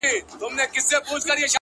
o يمه دي غلام سترگي راواړوه؛